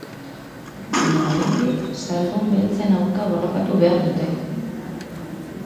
Baina oraindik zaldun beltzen aurka borrokatu behar dute.